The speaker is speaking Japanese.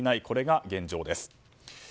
これが現状です。